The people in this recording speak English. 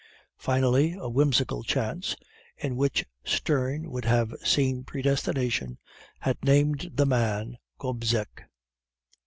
Finally, a whimsical chance, in which Sterne would have seen predestination, had named the man Gobseck.